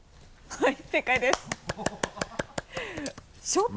はい。